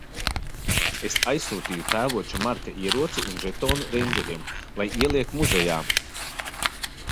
Es aizsūtīju tēvoča Marka ieroci un žetonu reindžeriem - lai ieliek muzejā.